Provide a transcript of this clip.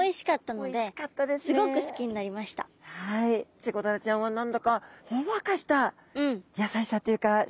チゴダラちゃんは何だかほんわかした優しさというか幸せ感がありますね。